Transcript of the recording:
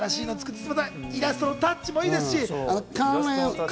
イラストのタッチもいいですし。